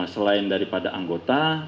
selain daripada anggota